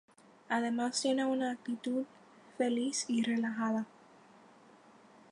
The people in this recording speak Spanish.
Además tiene una actitud feliz y relajada.